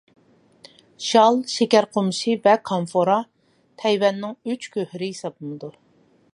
شال، شېكەر قومۇشى ۋە كامفورا تەيۋەننىڭ «ئۈچ گۆھىرى» ھېسابلىنىدۇ.